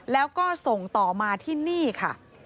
แล้วก็ส่งต่อมาที่นี่ค่ะ